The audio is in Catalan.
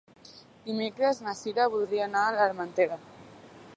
Dimecres na Cira voldria anar a l'Armentera.